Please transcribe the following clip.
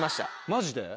マジで？